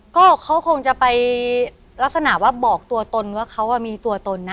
ก็เขาคงจะไปลักษณะว่าบอกตัวตนว่าเขามีตัวตนนะ